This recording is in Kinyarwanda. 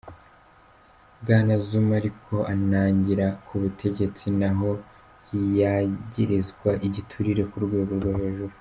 Bwana Zuma ariko aranangira ku butegetsi naho yagirizwa igiturire ku rwego rwo hejuru.